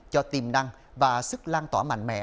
cho tiềm năng và sức lan tỏa mạnh mẽ